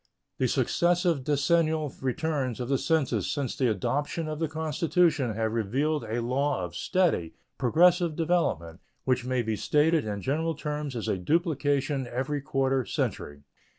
The successive decennial returns of the census since the adoption of the Constitution have revealed a law of steady, progressive development, which may be stated in general terms as a duplication every quarter century.